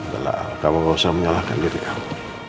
gak lah kamu gak usah menyalahkan diri kamu